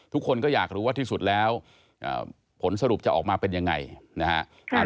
ทุกคนก็อยากรู้ว่าที่สุดแล้วผลสรุปจะออกมาเป็นยังไงนะฮะ